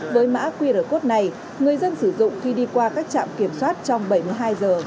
với mã qr code này người dân sử dụng khi đi qua các trạm kiểm soát trong bảy mươi hai giờ